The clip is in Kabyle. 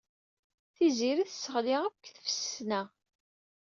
Tiziri tesseɣli-ak deg tfesna.